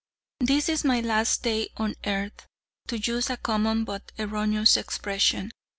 This is my last day on earth, to use a common but erroneous expression.